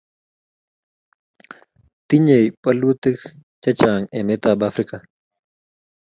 tinyei bolutik chechang emetab Afrika